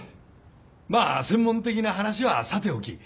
まあ専門的な話はさておき